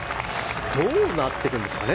どうなってくるんですかね。